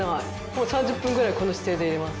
もう３０分ぐらいこの姿勢でいれます。